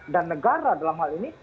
dan negara dalam hal ini